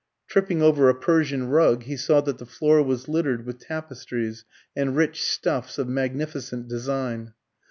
Tripping over a Persian rug, he saw that the floor was littered with tapestries and rich stuffs of magnificent design.